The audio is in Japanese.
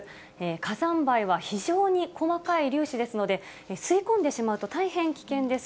火山灰は非常に細かい粒子ですので、吸い込んでしまうと大変危険です。